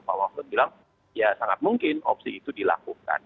pak mahfud bilang ya sangat mungkin opsi itu dilakukan